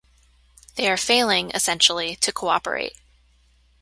They are failing, essentially, to cooperate.